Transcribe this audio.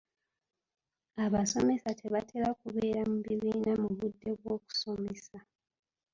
Abasomesa tebatera kubeera mu bibiina mu budde bw'okusomesa.